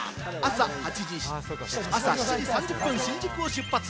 朝７時３０分、新宿を出発。